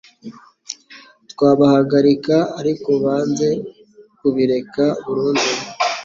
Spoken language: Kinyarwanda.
twabahagarika ariko banze kubireka burundu.”